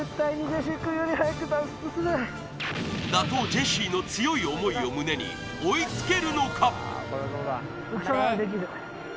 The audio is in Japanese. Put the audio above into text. ジェシーの強い思いを胸に追いつけるのか